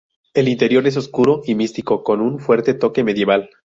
El interior es oscuro y místico, con un fuerte toque medieval.